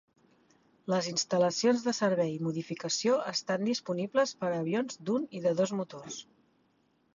Les instal·lacions de servei i modificació estan disponibles per a avions d'un i de dos motors.